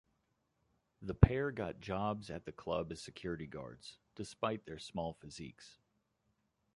The pair got jobs at the club as security guards, despite their small physiques.